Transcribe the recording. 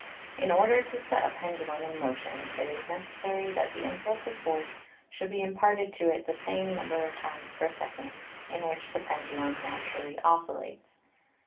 In order to set a pendulum in motion it is neces sary that the impulsive force should be imparted to it the same number of times per second in which the pendulum naturally oscillates.